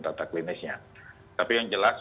tata klinisnya tapi yang jelas